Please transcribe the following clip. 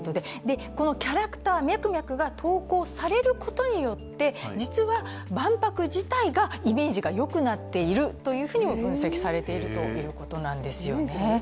このキャラクター、ミャクミャクが投稿されることによって、実は万博自体がイメージがよくなっているというふうにも分析されているということなんです。